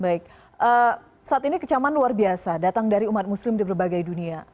baik saat ini kecaman luar biasa datang dari umat muslim di berbagai dunia